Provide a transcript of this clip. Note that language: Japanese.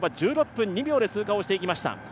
１６分２秒で通過していきました。